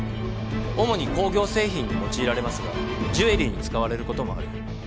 主に工業製品に用いられますがジュエリーに使われることもある。